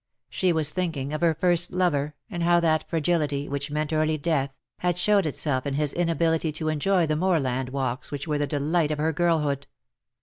She was thinking of her first lover, and how that fragility, which meant early death, had THE LOVELACE OF HIS DAY. 53 showed itself in his inability to enjoy the moorland walks which were the delight of her girlhood.